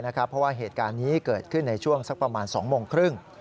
เพราะว่าเหตุการณ์นี้เกิดขึ้นในช่วงสักประมาณ๒โมงครึ่ง